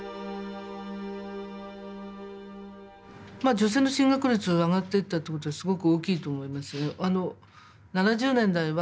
女性の進学率上がっていったっていうことはすごく大きいと思います。